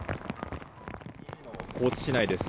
高知市内です。